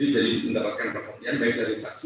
jadi mendapatkan pertolongan dari saksi